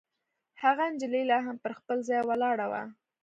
هغه نجلۍ لا هم پر خپل ځای ولاړه وه.